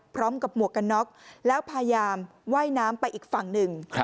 พร้อมกับหมวกกันน๊อกแล้วพยายามไหว้น้ำไปอีกฝั่งหนึ่ง